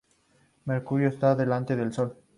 Mercurio está delante del Sol.